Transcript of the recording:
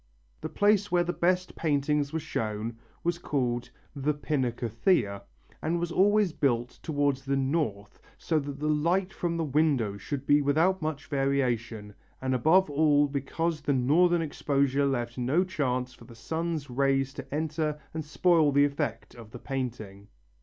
The place where the best paintings were shown was called the Pinacotheca, and was always built towards the north so that the light from the windows should be without much variation, and above all because a northern exposure left no chance for the sun's rays to enter and spoil the effect of the painting.